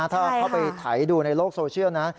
ถ้าเขาไปถ่ายดูในโลกโซเชียลนะ